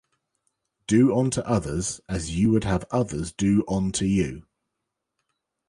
Do onto others as you would have others do onto you